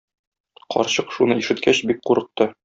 Карчык шуны ишеткәч бик курыкты.